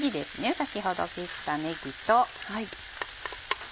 先ほど切ったねぎと。